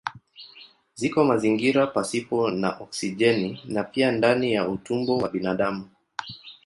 Ziko mazingira pasipo na oksijeni na pia ndani ya utumbo wa binadamu.